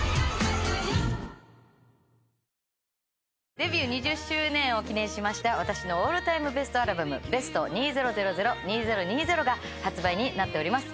デビュー２０周年を記念しました私のオールタイムベストアルバム『ＢＥＳＴ２０００−２０２０』が発売になっております。